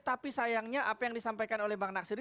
tapi sayangnya apa yang disampaikan oleh bang nasir